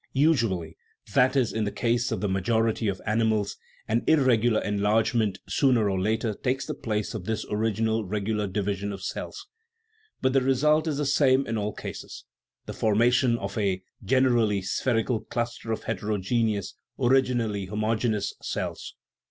Usually (that is, in the case of the majority of animals) an irregular en largement sooner or later takes the place of this original regular division of cells. But the result is the same in all cases the formation of a (generally spherical) cluster of heterogeneous (originally homogeneous) cells.